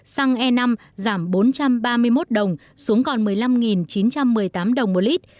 xăng e năm giảm bốn trăm ba mươi một đồng xuống còn một mươi năm chín trăm một mươi tám đồng một lít